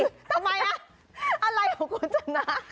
ทำไมล่ะอะไรของคุณฉันนะ